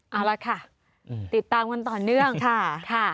เอาละค่ะติดตามกันต่อเนื่องค่ะ